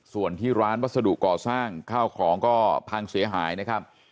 ส่วนที่ร้านวัสดุก่อสร้างข้าวของก็พังเสียหายนะครับ